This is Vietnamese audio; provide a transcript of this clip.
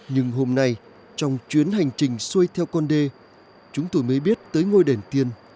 nhưng hôm nay trong chuyến hành trình xuôi theo con đê chúng tôi mới biết tới ngôi đền tiên